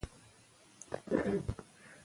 شاه سلیمان به د خلکو سترګې په بې رحمۍ سره ایستلې.